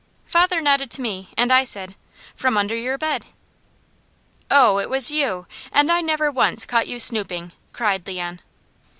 Father nodded to me and I said: "From under your bed!" "Oh, it was you! And I never once caught you snooping!" cried Leon.